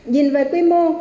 nhìn về quy mô